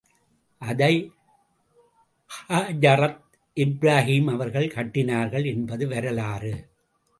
அதை ஹஜரத் இப்ராகீம் அவர்கள் கட்டினார்கள் என்பது வரலாறு.